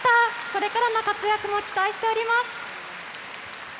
これからの活躍も期待しております。